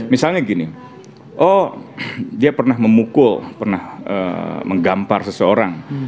misalnya gini oh dia pernah memukul pernah menggampar seseorang